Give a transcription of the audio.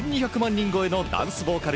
人超えのダンスボーカル